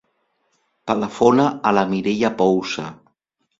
Telefona a la Mireia Pousa.